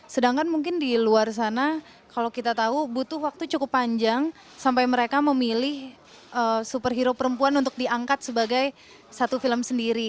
sedangkan mungkin di luar sana kalau kita tahu butuh waktu cukup panjang sampai mereka memilih superhero perempuan untuk diangkat sebagai satu film sendiri